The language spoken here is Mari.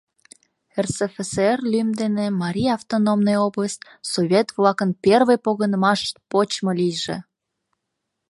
РСФСР лӱм дене Марий автономный область Совет-влакын первый погынымашышт почмо лийже!